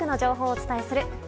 お伝えする「＃